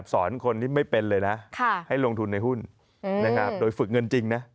สอนคนที่ไม่เป็นเลยนะให้ลงทุนในหุ้นนะครับโดยฝึกเงินจริงนะ